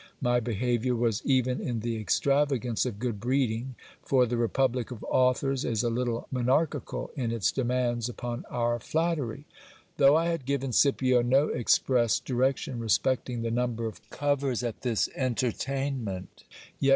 My behaviour was even in the extravagance of good breeding ; for the republic of authors is a little monarchical in its demands upon our flattery. Though I had given Scipio no express direction respecting the number of covers at this entertainment, yet GIL BLAS ENTERTAINS A COMPANY OF AUTHORS.